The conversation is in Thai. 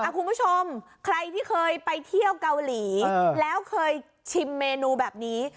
คุณผู้ชมใครที่เคยไปเที่ยวเกาหลีแล้วเคยชิมเมนูแบบนี้